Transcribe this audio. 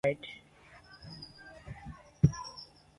This enabled the church to consolidate and continue to move forward.